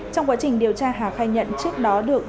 trong quá trình điều tra hà khai nhận trước đó được